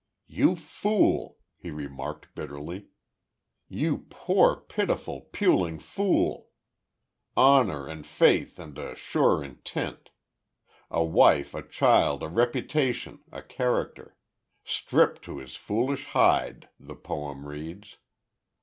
"You fool," he remarked, bitterly. "You poor, pitiful, puling fool! 'Honor, and faith, and a sure intent' a wife, a child, a reputation, a character. 'Stripped to his foolish hide,' the poem reads.